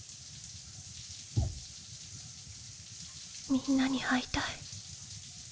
みんなに会いたい